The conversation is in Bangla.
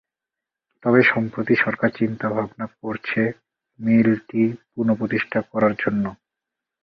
তবে সম্প্রতি সরকার চিন্তা ভাবনা করছে মিলটি পুনঃপ্রতিষ্ঠা করার জন্য।